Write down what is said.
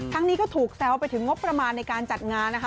นี้ก็ถูกแซวไปถึงงบประมาณในการจัดงานนะคะ